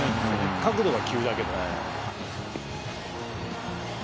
角度が急だけど。